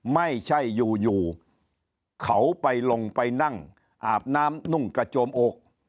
ไม่ใช่อยู่เขาไปลงไปนั่งอาบน้ำนุ่งกระโจมอก